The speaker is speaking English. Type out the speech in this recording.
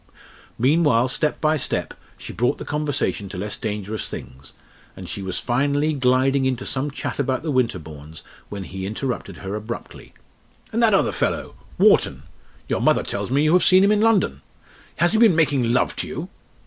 Meanwhile, step by step, she brought the conversation to less dangerous things, and she was finally gliding into some chat about the Winterbournes when he interrupted her abruptly "And that other fellow Wharton. Your mother tells me you have seen him in London. Has he been making love to you?"